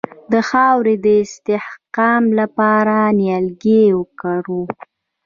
د خاورې د استحکام لپاره نیالګي وکرو.